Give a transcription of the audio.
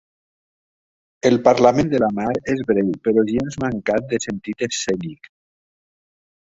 El parlament de la Mar és breu, però gens mancat de sentit escènic.